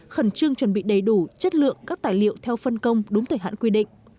khẩn trương chuẩn bị đầy đủ chất lượng các tài liệu theo phân công đúng thời hạn quy định